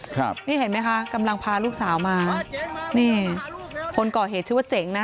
ครับนี่เห็นไหมคะกำลังพาลูกสาวมานี่คนก่อเหตุชื่อว่าเจ๋งนะคะ